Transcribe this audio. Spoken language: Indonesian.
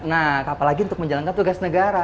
nah apalagi untuk menjalankan tugas negara